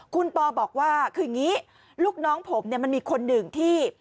คุณปอบอกว่าคืออย่างนี้ลูกน้องผมเนี่ยมันมีคนหนึ่งที่